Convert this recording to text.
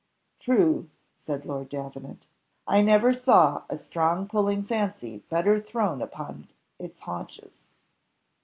"True," said Lord Davenant; "I never saw a strong pulling fancy better thrown upon its haunches."